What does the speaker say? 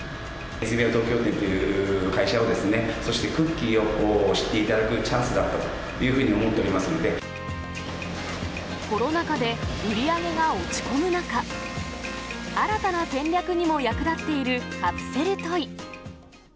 泉屋東京店という会社を、そしてクッキーを知っていただくチャンスだったというふうに思っコロナ禍で売り上げが落ち込む中、新たな戦略にも役立っているカプセルトイ。